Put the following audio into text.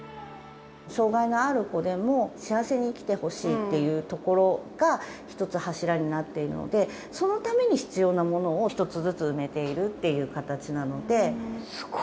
障がいのある子でも、幸せに生きてほしいっていうところが、一つ柱になっているので、そのために必要なものを、一つずつ埋めているっていう形なので。